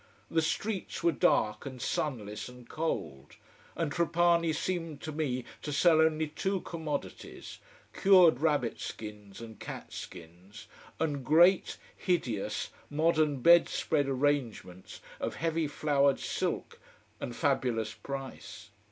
The streets were dark and sunless and cold. And Trapani seemed to me to sell only two commodities: cured rabbit skins and cat skins, and great, hideous, modern bed spread arrangements of heavy flowered silk and fabulous price.